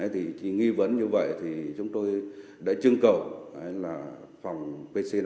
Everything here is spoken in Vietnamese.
thì nghi vấn như vậy thì chúng tôi đã chương cầu là phòng pc năm mươi bốn